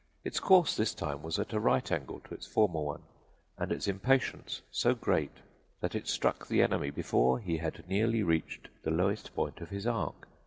Its course this time was at a right angle to its former one, and its impatience so great that it struck the enemy before he had nearly reached the lowest point of his arc.